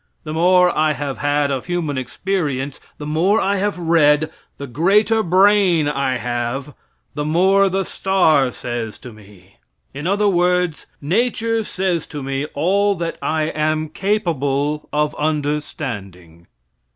The more I have had of human experience, the more I have read, the greater brain I have, the more the star says to me. In other words, nature says to me all that I am capable of understanding.